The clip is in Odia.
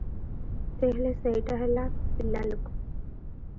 ଯେତେ ହେଲେ ସେଇଟା ହେଲା ପିଲାଲୋକ ।